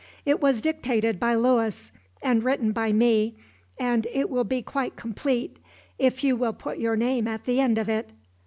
It was dictated by Louis, and written by me, and it will be quite complete, if you will put your name at the end of it."